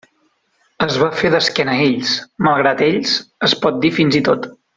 Es va fer d'esquena a ells, malgrat ells, es pot dir fins i tot.